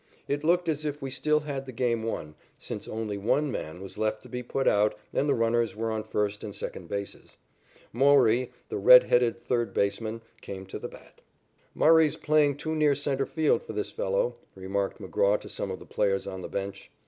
It looked as if we still had the game won, since only one man was left to be put out and the runners were on first and second bases. Mowrey, the red headed third baseman, came to the bat. "Murray's playing too near centre field for this fellow," remarked McGraw to some of the players on the bench.